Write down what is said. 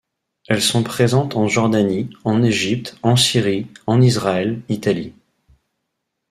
Elles sont présentes en Jordanie, en Égypte, en Syrie, en Israël, Italie.